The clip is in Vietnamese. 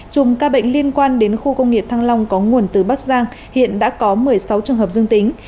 chùm ca bệnh liên quan đến khu công nghiệp thăng long có nguồn từ bắc giang hiện đã có một mươi sáu trường hợp dương tính